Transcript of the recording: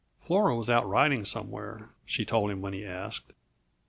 Flora was out riding somewhere, she told him when he asked.